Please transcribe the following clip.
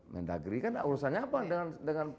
mendagri kan urusannya apa dengan